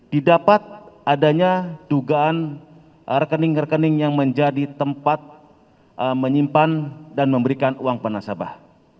didapat adanya dugaan rekening rekening yang menjadi tempat menyimpan dan memberikan uang penasabah